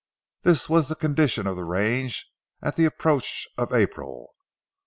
This was the condition of the range at the approach of April.